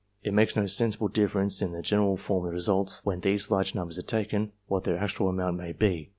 It makes no sensible difference in the general form of the results, when these large numbers are taken, what their actual amount may be.